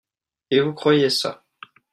Et vous croyez ça ?